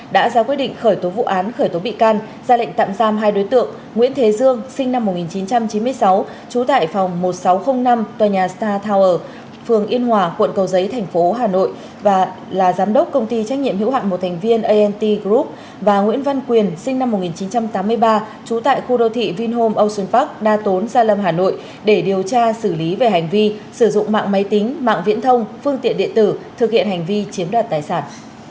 đã ra quyết định khởi tố vụ án khởi tố bị can ra lệnh tạm giam hai đối tượng nguyễn thế dương sinh năm một nghìn chín trăm chín mươi sáu trú tại phòng một nghìn sáu trăm linh năm tòa nhà star tower phường yên hòa quận cầu giấy thành phố hà nội và là giám đốc công ty trách nhiệm hữu hạn một thành viên ant group và nguyễn văn quyền sinh năm một nghìn chín trăm tám mươi ba trú tại khu đô thị vinhome ocean park đa tốn gia lâm hà nội để điều tra xử lý về hành vi sử dụng mạng máy tính mạng viễn thông phương tiện điện tử thực hiện hành vi chiếm đoạt tài sản